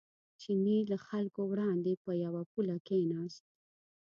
چیني له خلکو وړاندې په یوه پوله کېناست.